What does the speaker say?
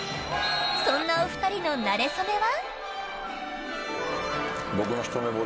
そんなお二人のなれ初めは。